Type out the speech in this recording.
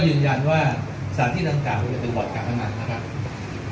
เหมือนย้ายเสียงออกนะครับเพื่อให้การช่วยอีก